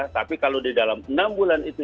tapi kalau di dalam enam bulan itu